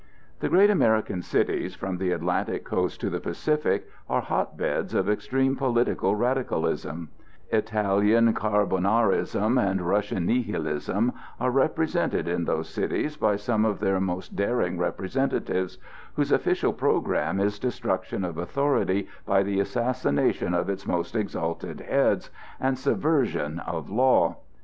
The great American cities, from the Atlantic coast to the Pacific, are hot beds of extreme political radicalism; Italian Carbonarism and Russian Nihilism are represented in those cities by some of their most daring representatives, whose official programme is destruction of authority by the assassination of its most exalted heads, and subversion of law.